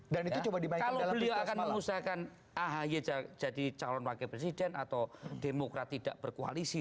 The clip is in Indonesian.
kalau beliau akan mengusahakan ahy jadi calon wakil presiden atau demokrat tidak berkoalisi